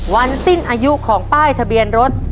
วันสิ้นอายุของป้ายทะเบียนรถ